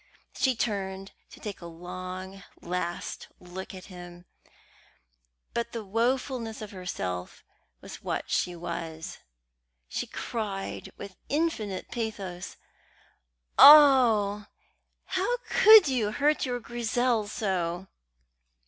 She turned to take a long, last look at him; but the wofulness of herself was what she saw. She cried, with infinite pathos, "Oh, how could you hurt your Grizel so!"